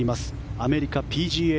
アメリカＰＧＡ